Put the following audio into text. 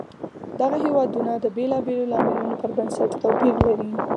دغه هېوادونه د بېلابېلو لاملونو پر بنسټ توپیر لري.